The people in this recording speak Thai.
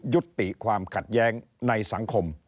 ยุติความขัดแย้งในสังคม